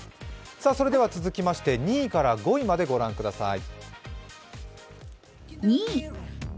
それでは続きまして２位から５位まで御覧ください。